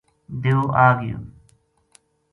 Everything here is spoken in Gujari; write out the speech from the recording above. دیو آ گیو